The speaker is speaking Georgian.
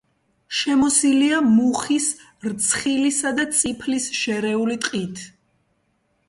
შემოსილია მუხის, რცხილისა და წიფლის შერეული ტყით.